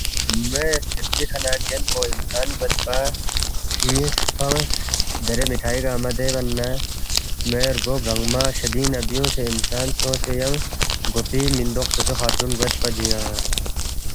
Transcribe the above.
موے سکیدپی کھہ نہ گین پو انسان گویدپا نِ٘یس فنگس دیرے مٹھائی گنگمہ زے من نہ موے رگو گنگمہ شدِنگ نہ بیُونگسے انسان سونگسے ینگ گوپی مِندوق چوچو خاتون گویدپا جُویا